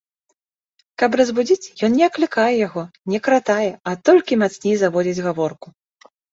Каб разбудзіць, ён не аклікае яго, не кратае, а толькі мацней заводзіць гаворку.